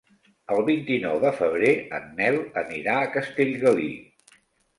El vint-i-nou de febrer en Nel anirà a Castellgalí.